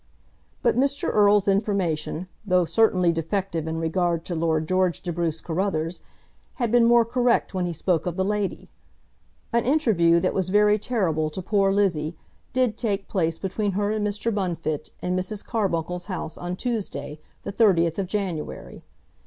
But Mr. Erle's information, though certainly defective in regard to Lord George de Bruce Carruthers, had been more correct when he spoke of the lady. An interview that was very terrible to poor Lizzie did take place between her and Mr. Bunfit in Mrs. Carbuncle's house on Tuesday, the 30th of January.